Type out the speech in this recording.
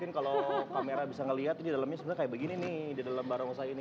iya mungkin kalau kamera bisa ngelihat di dalamnya sebenarnya kayak begini nih di dalam barongsai ini